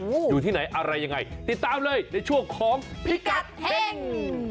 อยู่ที่ไหนอะไรยังไงติดตามเลยในช่วงของพิกัดเฮ่ง